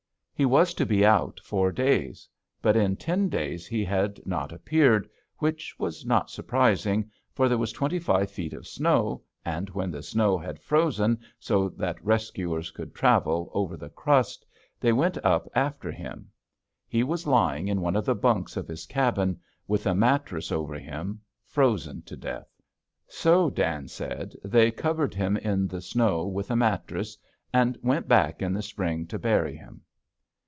He was to be out four days. But in ten days he had not appeared, which was not surprising, for there was twenty five feet of snow, and when the snow had frozen so that rescuers could travel over the crust, they went up after him. He was lying in one of the bunks of his cabin with a mattress over him, frozen to death. So, Dan said, they covered him in the snow with a mattress, and went back in the spring to bury him.